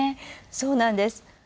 そうなんです。